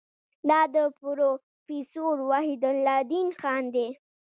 دا د پروفیسور وحیدالدین خان دی.